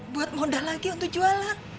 buat mondar lagi untuk jualan